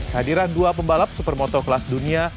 hadiran dua pembalap supermoto kelas dunia